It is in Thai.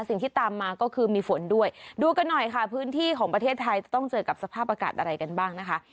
สิ่งที่ตามมาก็คือมีฝนด้วยดูกันหน่อยค่ะพื้นที่ของประเทศไทยจะต้องเจอกับสภาพอากาศอะไรกันบ้างนะคะ